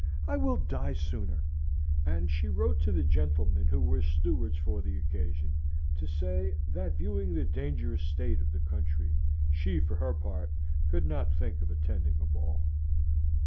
I will die sooner!" And she wrote to the gentlemen who were stewards for the occasion to say, that viewing the dangerous state of the country, she, for her part, could not think of attending a ball.